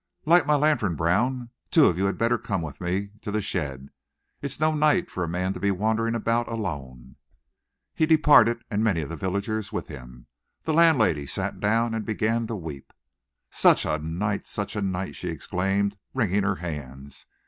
Light my lantern, Brown. Two of you had better come with me to the shed. It's no night for a man to be wandering about alone." He departed, and many of the villagers with him. The landlady sat down and began to weep. "Such a night! Such a night!" she exclaimed, wringing her hands.